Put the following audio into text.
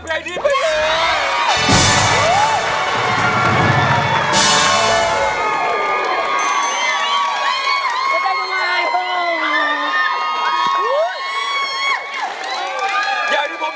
ทำไมไม่เพิ่งเจอเพอร์ดลูกสาตย์ของหมายคติดว่า